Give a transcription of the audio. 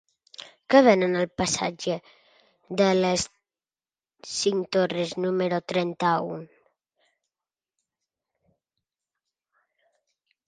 Què venen al passatge de les Cinc Torres número trenta-u?